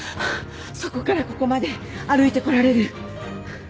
そこからここまで歩いてこられる？